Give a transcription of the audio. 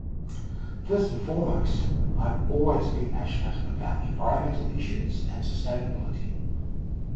First and foremost, I have always been passionate about environmental issues and sustainability.